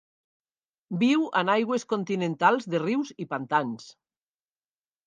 Viu en aigües continentals de rius i pantans.